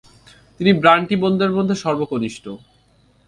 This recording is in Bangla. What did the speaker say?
তিনি ব্রন্টি বোনদের মধ্যে সর্বকনিষ্ঠ।